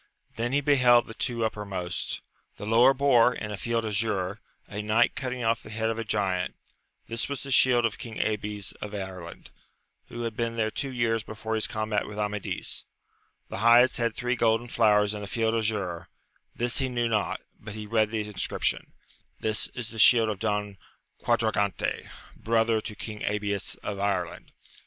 Then he beheld the two uppermost ; the lower bore, in a field azure, a knight cutting off the head of a giant ; this was the shield of King Abies of Ireland, who had been there two years before his combat with Amadis : the highest had three golden flowers in a field azure : this he knew not, but he read the inscription, This is the shield of Don 'Quadragante, brother to King Abies of Ireland.